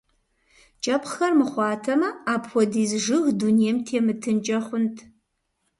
КIэпхъхэр мыхъуатэмэ, апхуэдиз жыг дунейм темытынкIэ хъунт.